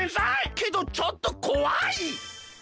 けどちょっとこわい！